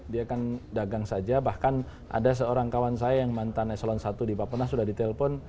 dia kan dagang saja bahkan ada seorang kawan saya yang mantan eselon satu di papua sudah ditelepon